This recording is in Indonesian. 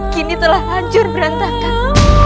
kini telah ranjur berantakan